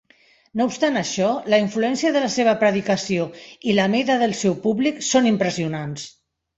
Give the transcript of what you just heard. No obstant això, la influència de la seva predicació i la mida del seu públic són impressionants.